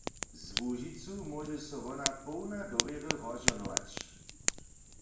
Z Łužicu móže so wona połna dowěry rozžohnować.